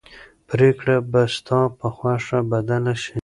پرېکړه به ستا په خوښه بدله شي.